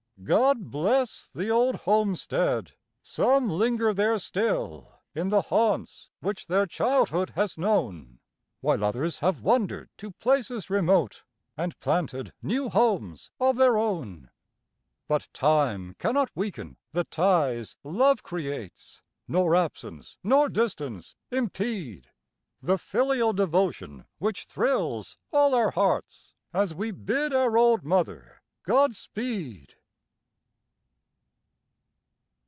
God bless the old homestead! some linger there still, In the haunts which their childhood has known, While others have wandered to places remote, And planted new homes of their own; But Time cannot weaken the ties Love creates, Nor absence, nor distance, impede The filial devotion which thrills all our hearts, As we bid our old mother God speed.